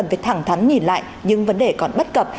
bản thân nhìn lại những vấn đề còn bất cập